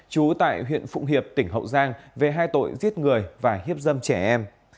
trú tại huyện phụng hiệp tỉnh hậu giang về hai tội giết người và hiếp dâm trẻ em